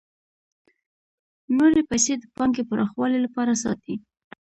نورې پیسې د پانګې پراخوالي لپاره ساتي